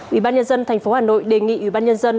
ủy ban nhân dân thành phố hà nội đề nghị ủy ban nhân dân